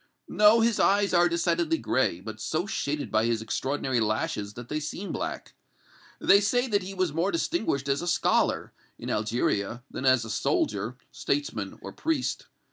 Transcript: "No, his eyes are decidedly gray, but so shaded by his extraordinary lashes that they seem black. They say that he was more distinguished as a scholar, in Algeria, than as a soldier, statesman or priest.